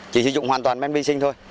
chỉ sử dụng hoàn toàn men vi sinh thôi